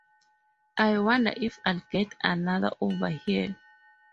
I wonder if I'll get another over here.